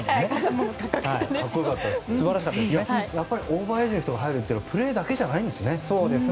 オーバーエージの人が入るというのはプレーだけではないんですね。